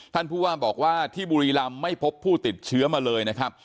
ท่านผู้ว่าบอกว่าที่บุรีรำไม่พบผู้ติดเชื้อมาเลยนะครับ